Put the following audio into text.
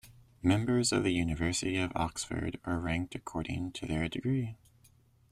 Members of the University of Oxford are ranked according to their degree.